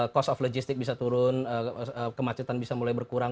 cost of logistik bisa turun kemacetan bisa mulai berkurang